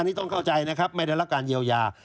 อันนี้ต้องเข้าใจนะครับไม่ได้รับการเยียวยา